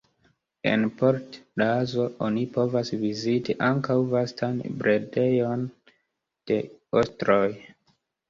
En Port Lazo oni povas viziti ankaŭ vastan bredejon de ostroj.